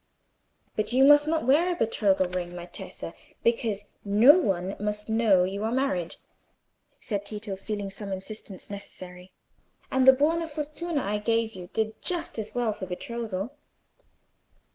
"But you must not wear a betrothal ring, my Tessa, because no one must know you are married," said Tito, feeling some insistence necessary. "And the buona fortuna that I gave you did just as well for betrothal.